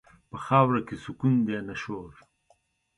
په خاورو کې سکون دی، نه شور.